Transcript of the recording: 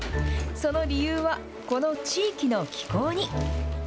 その理由はこの地域の気候に。